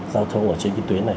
giao thông ở trên cái tuyến này